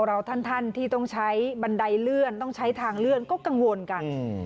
เราท่านที่ต้องใช้บันไดเลื่อนต้องใช้ทางเลื่อนก็กังวลกัน